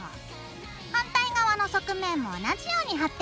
反対側の側面も同じように貼ってね。